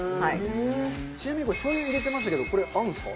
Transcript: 「ちなみにこれしょう油入れてましたけどこれ合うんですか？」